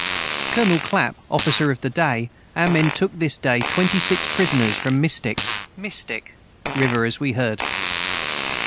Colonel Clap officer of the day our men took this day 26 prisoners in mistick river as we heard.